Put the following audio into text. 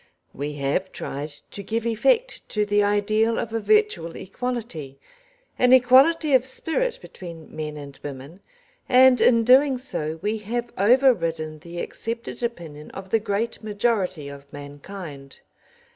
We have tried to give effect to the ideal of a virtual equality, an equality of spirit between men and women, and in doing so we have overridden the accepted opinion of the great majority of mankind.